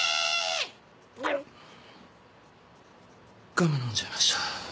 ガムのんじゃいました。